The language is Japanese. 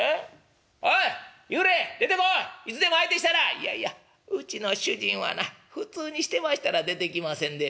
「いやいやうちの主人はな普通にしてましたら出てきませんで」。